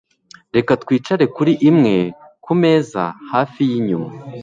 Reka twicare kuri imwe kumeza hafi yinyuma.